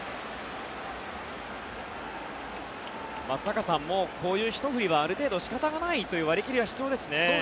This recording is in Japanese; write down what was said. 松坂さん、こういうひと振りはある程度仕方がないという割り切りは必要ですね。